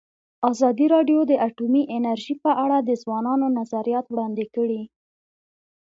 ازادي راډیو د اټومي انرژي په اړه د ځوانانو نظریات وړاندې کړي.